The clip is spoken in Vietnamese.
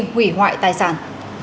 hủy hoại tài sản